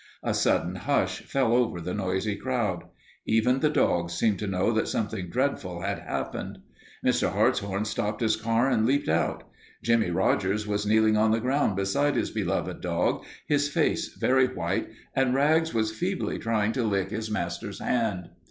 A sudden hush fell over the noisy crowd. Even the dogs seemed to know that something dreadful had happened. Mr. Hartshorn stopped his car and leaped out. Jimmie Rogers was kneeling on the ground beside his beloved dog, his face very white, and Rags was feebly trying to lick his master's hand.